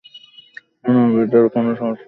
শোনো, বেথের কোনো সমস্যা হবে না।